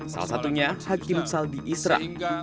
salah satunya hakim saldi isra